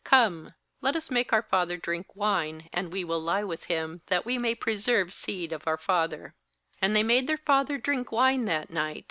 ^Oome, let us make our father drink wine, and we will lie with him, that we may pre serve seed of our father/ ^And they made their father drink wine that night.